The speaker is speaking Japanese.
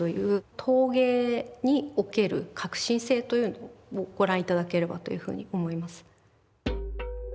陶芸における革新性というのをご覧頂ければというふうに思います。